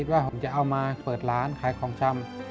ว่าผมจะเอามาเปิดร้านขายของชำ